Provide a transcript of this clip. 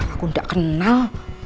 aku gak kenal